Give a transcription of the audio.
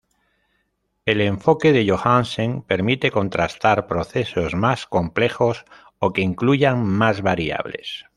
El enfoque de Johansen permite contrastar procesos más complejos o que incluyan más variables.